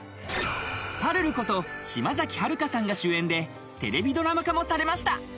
ぱるること島崎遥香さんが主演でテレビドラマ化もされました。